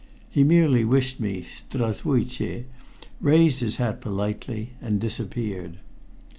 He merely wished me "sdravstvuite" raised his hat politely and disappeared.